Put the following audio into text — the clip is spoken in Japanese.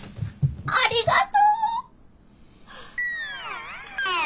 ありがとう！